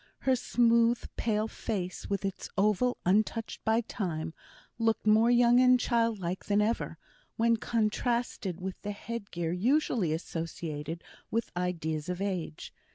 Her smooth, pale face, with its oval untouched by time, looked more young and childlike than ever, when contrasted with the head gear usually associated with ideas of age.